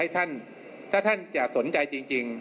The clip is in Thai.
ถ้าท่านจะสนใจจริง